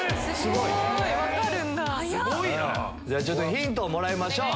ヒントをもらいましょう。